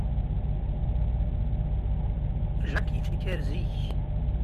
Jack yettenkar zik.